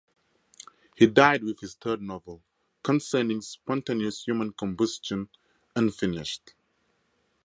He died with his third novel, concerning spontaneous human combustion, unfinished.